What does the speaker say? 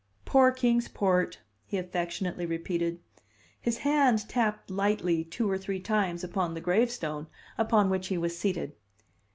"Poor Kings Port," he affectionately repeated. His hand tapped lightly two or three times upon the gravestone upon which he was seated.